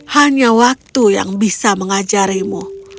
hanya waktu yang bisa mengajarimu